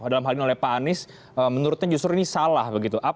dalam hal ini oleh pak anies menurutnya justru ini salah begitu